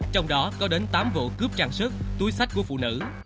trong đó có đến tám vụ cướp trang sức túi sách của phụ nữ